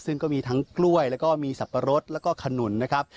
ซึ่งก็มีทั้งกล้วยแล้วก็มีสับปะรดแล้วก็ขนุนนะครับ